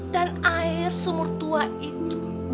dan air sumur tua itu